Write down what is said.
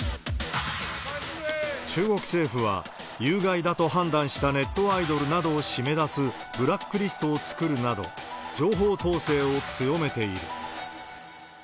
中国政府は、有害だと判断したネットアイドルなどを締め出すブラックリストを作るなど、情報統制を強めている。